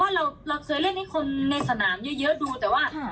เพราะว่าเราก็จะเล่นให้คนในสถานการณ์อยู่เยอะแยะดูแต่ว่า